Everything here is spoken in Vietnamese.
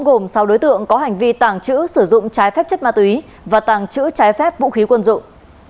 gồm sáu đối tượng có hành vi tàng trữ sử dụng trái phép chất ma túy và tàng trữ trái phép vũ khí quân dụng